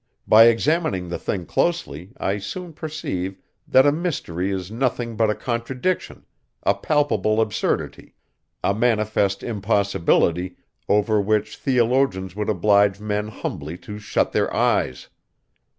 By examining the thing closely, I soon perceive, that a mystery is nothing but a contradiction, a palpable absurdity, a manifest impossibility, over which theologians would oblige men humbly to shut their eyes.